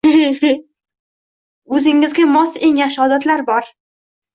O’zingizga mos eng yaxshi odatlar bor